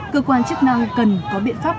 cơ quan chức năng cần có biện pháp